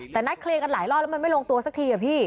แต่นัดเคลียร์กันหลายรอบแล้วมันไม่ลงตัวสักทีอะพี่